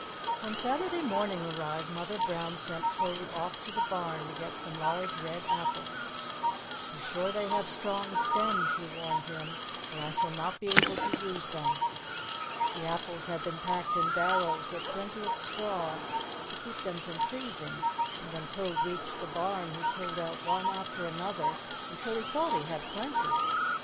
When Saturday morning arrived, Mother Brown sent Toad off to the barn to get some large red apples. "Be sure they have strong stems," she warned him, "or I shall not be able to use them." The apples had been packed in barrels with plenty of straw to keep them from freezing, and when Toad reached the barn he pulled out one after another until he thought he had plenty.